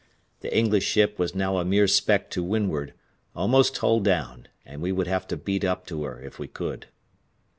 The English ship was now a mere speck to windward, almost hull down, and we would have to beat up to her if we could.